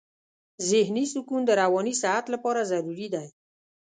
ذهني سکون د رواني صحت لپاره ضروري دی.